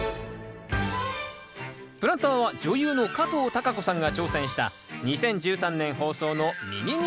プランターは女優の加藤貴子さんが挑戦した２０１３年放送の「ミニニンジン」。